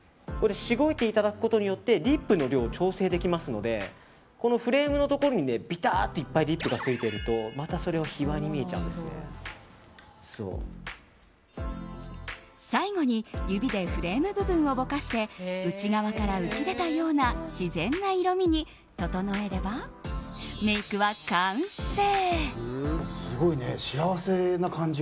しごいていただくことでリップの量を調整できますのでこのフレームのとこにびたーっといっぱいリップがついてるとまた、それは最後に、指でフレーム部分をぼかして内側から浮き出たような自然な色味に整えればメイクは完成。